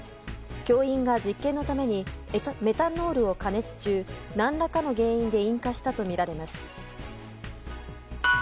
教員が実験のためにメタノールを加熱中何らかの原因で引火したとみられます。